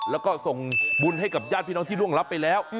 แล้วก็ส่งบุญให้กับญาติพี่น้องที่ร่วงรับไปแล้ว